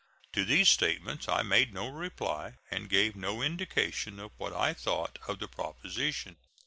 To these statements I made no reply and gave no indication of what I thought of the proposition.